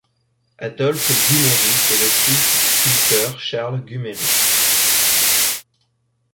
Adolphe Gumery est le fils du sculpteur Charles Gumery.